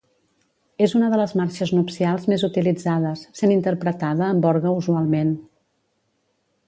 És una de les marxes nupcials més utilitzades, sent interpretada amb orgue usualment.